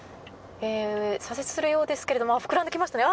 左折するようですけれどあっ、膨らんできましたね。